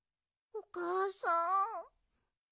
おかあさん！